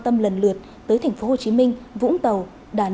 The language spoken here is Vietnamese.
tâm lần lượt tới thành phố hồ chí minh vũng tàu đà nẵng hà nội và đà lạt